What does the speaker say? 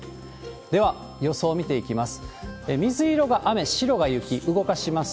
では、予想見ていきます。